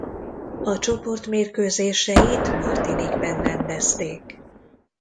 A csoport mérkőzéseit Martinique-ben rendezték.